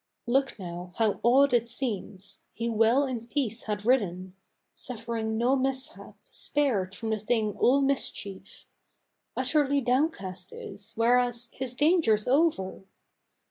Look now, how odd it seems! He well in peace had ridden, Suffering no mishap, spared from the thing all mischief Utterly downcast is, whereas his danger's over!